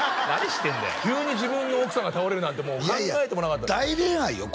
ずっと急に自分の奥さんが倒れるなんてもう考えてもなかったと大恋愛よ